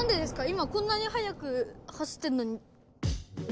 今こんなに速く走ってるのに。